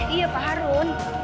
iya pak harun